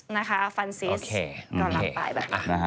นะคะฟันซิสก็รับไป